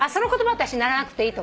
私習わなくていいとか。